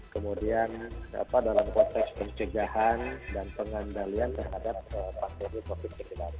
kemudian dalam konteks pencegahan dan pengendalian terhadap pandemi covid sembilan belas